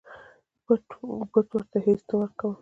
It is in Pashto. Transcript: بت ورته هیڅ نه ورکول.